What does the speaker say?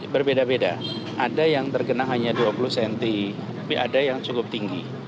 berbeda beda ada yang terkena hanya dua puluh cm tapi ada yang cukup tinggi